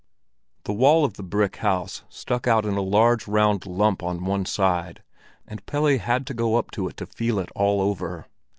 The wall of the house stuck out in a large round lump on one side, and Pelle had to go up to it to feel it all over.